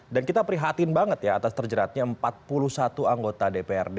dan kita prihatin banget ya atas terjeratnya empat puluh satu anggota dprd